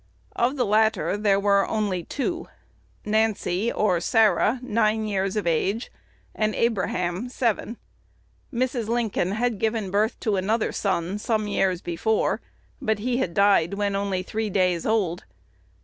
Of the latter there were only two, Nancy (or Sarah), nine years of age, and Abraham, seven. Mrs. Lincoln had given birth to another son some years before, but he had died when only three days old.